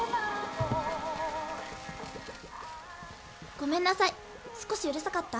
ごめんなさい少しうるさかった？